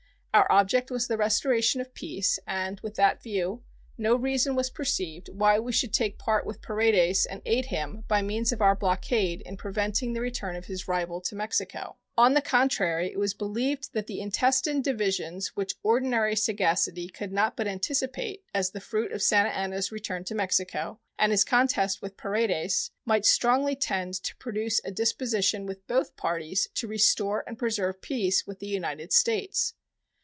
Our object was the restoration of peace, and, with that view, no reason was perceived why we should take part with Paredes and aid him by means of our blockade in preventing the return of his rival to Mexico. On the contrary, it was believed that the intestine divisions which ordinary sagacity could not but anticipate as the fruit of Santa Anna's return to Mexico, and his contest with Paredes, might strongly tend to produce a disposition with both parties to restore and preserve peace with the United States.